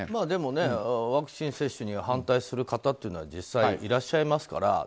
でもワクチン接種に反対する方というのは実際いらっしゃいますから。